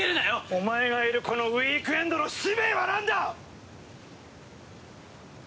お前がいるこのウィークエンドの使命はなんだ！？